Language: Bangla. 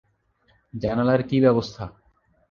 জানালার কী ব্যবস্থা?